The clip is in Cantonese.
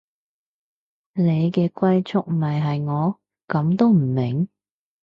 你嘅歸宿咪係我，噉都唔明